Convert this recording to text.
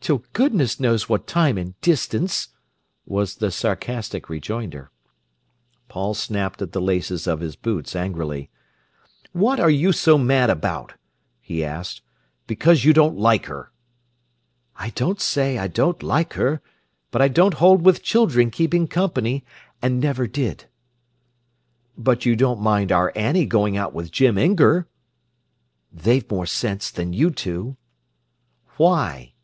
"Till goodness knows what time and distance," was the sarcastic rejoinder. Paul snapped at the laces of his boots angrily. "What are you so mad about?" he asked. "Because you don't like her." "I don't say I don't like her. But I don't hold with children keeping company, and never did." "But you don't mind our Annie going out with Jim Inger." "They've more sense than you two." "Why?"